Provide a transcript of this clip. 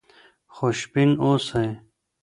خوشبین اوسئ.